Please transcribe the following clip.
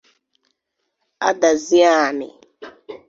Adazi-Anị